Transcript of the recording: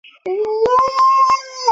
贝尔卢。